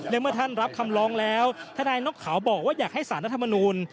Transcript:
และเมื่อท่านรับคำร้องแล้วถ้านายนกขาวบอกว่าอยากให้ศาสนธรรมนูญ